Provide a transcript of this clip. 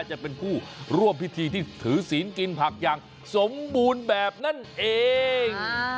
จะเป็นผู้ร่วมพิธีที่ถือศีลกินผักอย่างสมบูรณ์แบบนั่นเอง